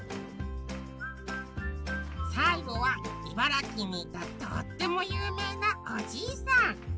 さいごは茨城にいたとってもゆうめいなおじいさん。